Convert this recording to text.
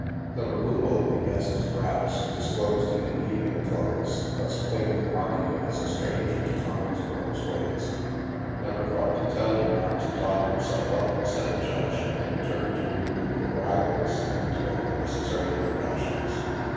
The removal of the guest's wraps disclosed him in evening clothes, thus plainly marking him as a stranger to Coningsboro's ways. STILL WATERS 39 " Never thought to tell you not to tog yourself up," said the Judge, and turned to greet the new arrivals and to make the necessary introductions.